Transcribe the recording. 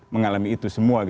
mengalami itu semua